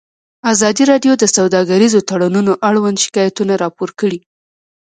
ازادي راډیو د سوداګریز تړونونه اړوند شکایتونه راپور کړي.